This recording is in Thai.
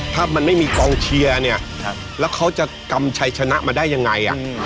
ถ้ามันไม่มีกองเชียร์เนี่ยแล้วเขาจะกำชัยชนะมาได้ยังไง